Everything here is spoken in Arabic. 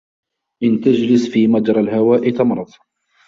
إِنْ تَجْلِسْ فِي مَجْرَى الْهَوَاءِ تَمْرَضْ.